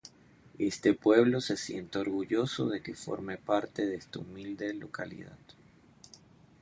Este pueblo se siente orgulloso de que forme parte de esta humilde localidad.